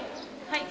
はい！